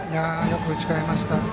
よく打ち返しました。